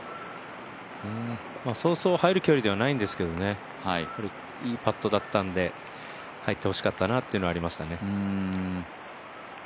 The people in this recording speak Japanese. そうそう入る距離ではないんですけどねいいパットだったので、入ってほしかったなというのはありましたね。